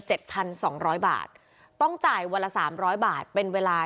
พันสองร้อยบาทต้องจ่ายวันละสามร้อยบาทเป็นเวลา